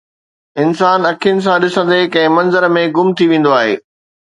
انسان اکين سان ڏسندي ڪنهن منظر ۾ گم ٿي ويندو آهي